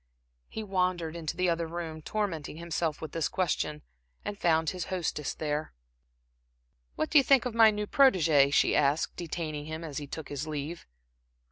He wandered into the other room, tormenting himself with this question, and found his hostess there. "What do you think of my new protegé?" she asked, detaining him as he took his leave.